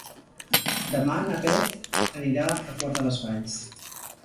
Demà na Beth anirà a Quart de les Valls.